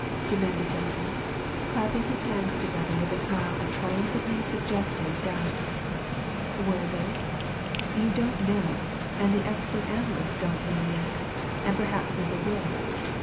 demanded Delkin, clapping his hands together with a smile of triumphantly suggestive doubt. "Were they? You don't know and the expert analysts don't know yet, and perhaps never will.